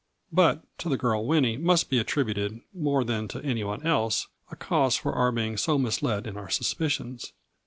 But to the girl Winnie must be attributed, more than to any one else, a cause for our being so misled in our suspicions.